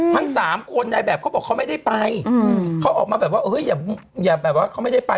ทั้งสามคนนายแบบเขาบอกเขาไม่ได้ไปเขาออกมาแบบว่าเฮ้ยอย่าแบบว่าเขาไม่ได้ไป